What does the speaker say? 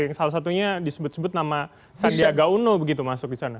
yang salah satunya disebut sebut nama sandiaga uno begitu masuk di sana